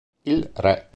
Il re